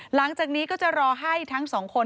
หลังจากนี้ก็จะรอให้ทั้งสองคน